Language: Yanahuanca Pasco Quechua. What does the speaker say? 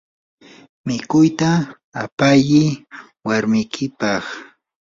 mikuyta apayi warmikipaq.